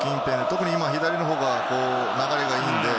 特に今は左のほうが流れがいいので。